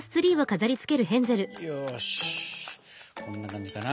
よしこんな感じかな。